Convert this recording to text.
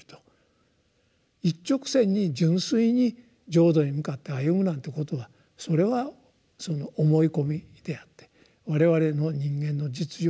一直線に純粋に浄土に向かって歩むなんてことはそれは思い込みであって我々の人間の実情を見ればですね